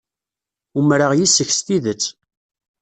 Umreɣ yes-k s tidet.